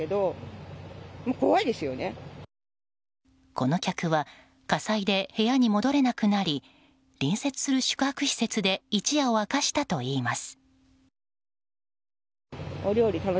この客は火災で部屋に戻れなくなり隣接する宿泊施設で一夜を明かしたといいます。